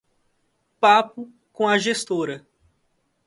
Papo com a gestora